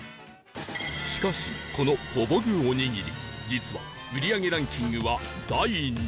しかしこのほぼ具オニギリ実は売り上げランキングは第２位